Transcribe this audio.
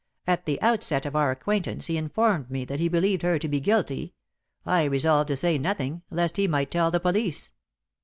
At the outset of our acquaintance he informed me that he believed her to be guilty. I resolved to say nothing, lest he might tell the police."